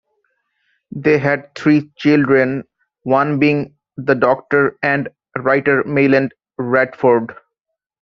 They had three children, one being the doctor and writer Maitland Radford.